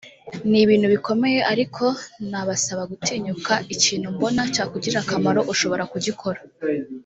ni ibintu bikomeye ariko nabasaba gutinyuka ; ikintu mbona cyakugirira akamaro ushobora kugikora